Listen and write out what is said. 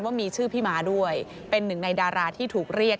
ว่ามีชื่อพี่ม้าด้วยเป็นหนึ่งในดาราที่ถูกเรียก